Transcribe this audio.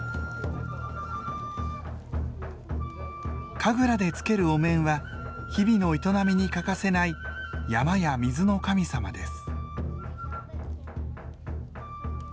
神楽でつけるお面は日々の営みに欠かせない山や水の神様です。